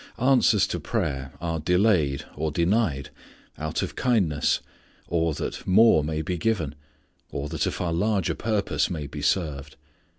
Answers to prayer are delayed, or denied, out of kindness, or, that more may be given, or, that a far larger purpose may be served.